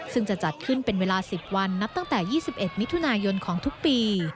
ซึ่งจะจัดขึ้นเป็นเวลา๑๐วันนับตั้งแต่๒๑มิถุนายนของทุกปี